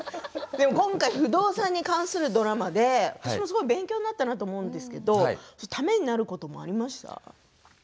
今回、不動産に関するドラマで私もすごい勉強になったなと思ったんですがためになることありました？